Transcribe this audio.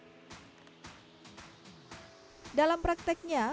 bandung memiliki sederet anak muda yang sukses dengan hasil kerja kerasnya